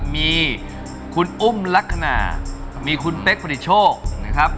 มีคุณอุ้มลักษณะมีคุณเป๊กผลิตโชคนะครับ